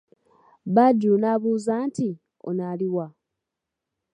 Badru n'abuuza nti:"ono ali wa"